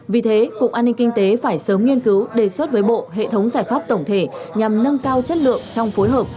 vì thế cục an ninh kinh tế phải sớm nghiên cứu đề xuất với bộ hệ thống giải pháp tổng thể nhằm nâng cao chất lượng trong phối hợp